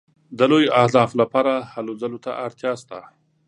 د لویو اهدافو لپاره هلو ځلو ته اړتیا شته.